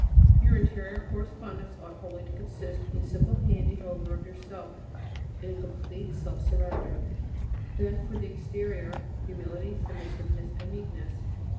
Your interior correspondence ought wholly to consist in a simple handing over of yourself, in a complete self surrender; then for the exterior, humility, submissiveness and meekness.